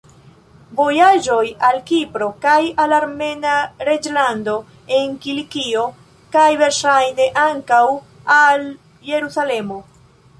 Vojaĝoj al Kipro kaj al Armena reĝlando en Kilikio, kaj verŝajne ankaŭ al Jerusalemo.